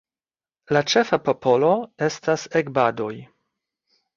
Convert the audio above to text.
La ĉefa popolo estas Egbadoj.